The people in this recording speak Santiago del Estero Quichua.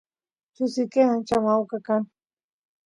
chusiyke ancha mawka kan